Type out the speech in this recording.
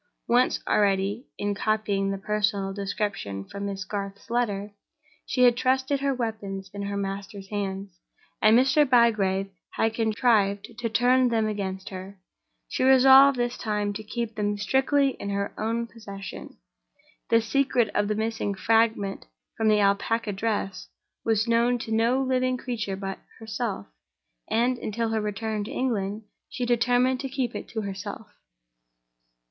Once already (in copying the personal description from Miss Garth's letter) she had trusted her weapons in her master's hands, and Mr. Bygrave had contrived to turn them against her. She resolved this time to keep them strictly in her own possession. The secret of the missing fragment of the Alpaca dress was known to no living creature but herself; and, until her return to England, she determined to keep it to herself.